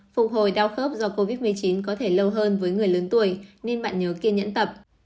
phục hồi đau khớp do covid một mươi chín có thể lâu hơn với người lớn tuổi nên bạn nhớ kiên nhẫn tập